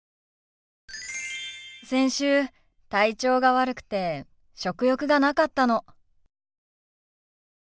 先週体調が悪くて食欲がなかったの。